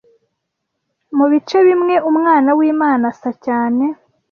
Mubice bimwe Umwana wImana asa cyane